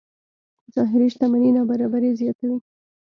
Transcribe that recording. ظاهري شتمنۍ نابرابرۍ زیاتوي.